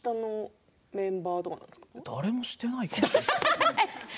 誰もしていないかな。